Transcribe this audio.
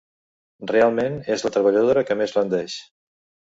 Realment és la treballadora que més rendeix.